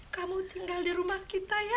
kamu tinggal di rumah kita ya